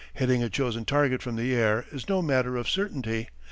Hitting a chosen target from the air is no matter of certainty.